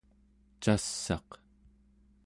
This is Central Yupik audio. cass'aq